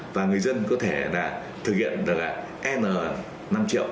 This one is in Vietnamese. và người dân có thể là thực hiện được là n năm triệu